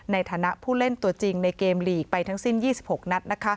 ในฐานะผู้เล่นตัวจริงในเกมลีกไปทั้งสิ้น๒๖นัด